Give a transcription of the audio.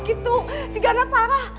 itu si gana parah